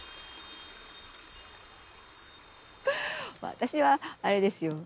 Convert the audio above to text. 私はあれですよ